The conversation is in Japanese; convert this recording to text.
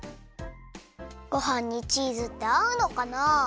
ごはんにチーズってあうのかな？